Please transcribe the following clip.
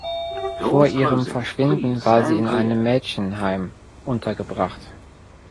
Vor ihrem Verschwinden war sie in einem Mädchenheim untergebracht.